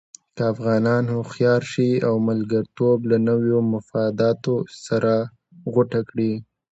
که افغانان هوښیار شي او ملګرتوب له نویو مفاداتو سره غوټه کړي.